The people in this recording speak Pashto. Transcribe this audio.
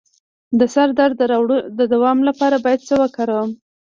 د سر درد د دوام لپاره باید څه وکړم؟